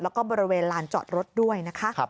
แล้วก็บริเวณลานจอดรถด้วยนะคะ